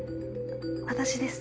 私です。